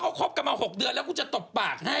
เขาคบกันมา๖เดือนแล้วกูจะตบปากให้